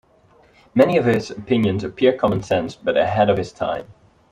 Many of his opinions appear common sense but ahead of his time.